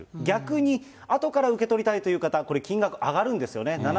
逆にあとから受け取りたいという方、これ、金額上がるんですよね。